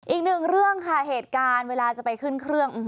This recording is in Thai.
อีกหนึ่งเรื่องค่ะเหตุการณ์เวลาจะไปขึ้นเครื่อง